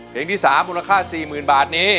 เพลงที่๓มูลค่า๔๐๐๐บาทนี้